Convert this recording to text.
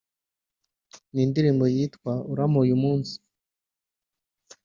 ni indirimbo yitwa ’Urampa uyu munsi’